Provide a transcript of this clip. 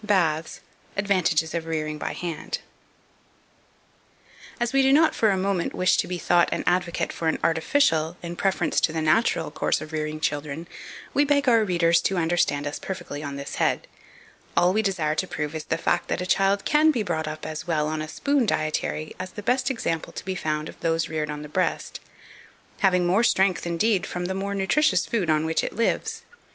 Baths. Advantages of Rearing by Hand. 2497. As we do not for a moment wish to be thought an advocate for an artificial, in preference to the natural course of rearing children, we beg our renders to understand us perfectly on this head; all we desire to prove is the fact that a child can be brought up as well on a spoon dietary as the best example to be found of those reared on the breast; having more strength, indeed, from the more nutritious food on which it lives.